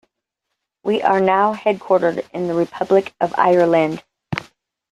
We are now headquartered in the Republic of Ireland.